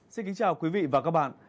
xin kính chào quý vị và các bạn